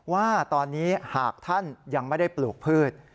ว่าตอนนี้หากท่านยังไม่ได้ปลูกพืช